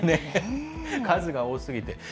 数が多すぎて。